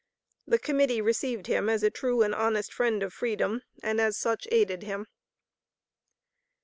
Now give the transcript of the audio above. The Committee received him as a true and honest friend of freedom, and as such aided him.